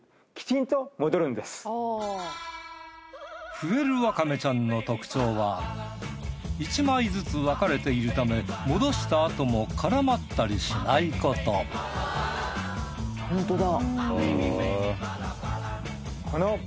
ふえるわかめちゃんの特徴は１枚ずつ分かれているため戻したあとも絡まったりしないことホントだ。